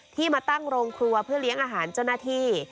ที่มาตั้งโรงครัวเพื่อเลี้ยงอาหารเจ้าหน้าที่